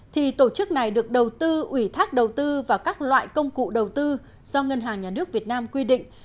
thì tổ chức này được đầu tư ủy thác đầu tư vào các loại công cụ đầu tư do ngân hàng nhà nước việt nam quy định